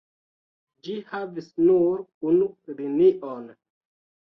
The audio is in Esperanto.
Ĝi havis nur unu linion.